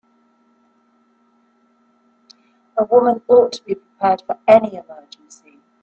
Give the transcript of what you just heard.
A woman ought to be prepared for any emergency.